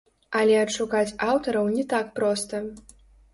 Але адшукаць аўтараў не так проста.